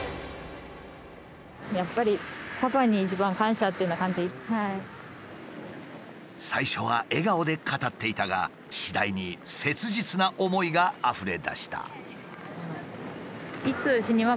やっぱり最初は笑顔で語っていたが次第に切実な思いがあふれ出した。